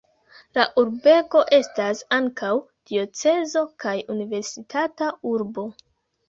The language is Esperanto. La urbego estas ankaŭ diocezo kaj universitata urbo.